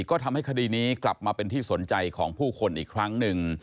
ก็ทำให้คดีนี้กลับมาเป็นที่สนใจของผู้คนอีกครั้งหนึ่ง